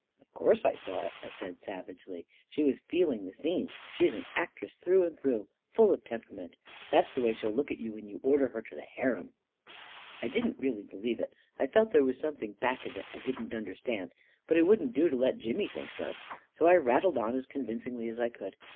" Of course I saw it," I said savagely. " She was feeling the scene — she's an actress through and 80 A KING IN BABYLON through — full of temperament That's the way she'll look at you when you order her to the harem .•. I didn't really believe it. I felt there was some thing back of it I didn't understand. But it wouldn't do to let Jimmy think so. So I rattled on as con vincingly as I could.